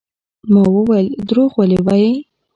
ما وويل دروغ ولې وايې.